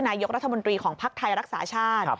นายกรัฐมนตรีของภักดิ์ไทยรักษาชาติ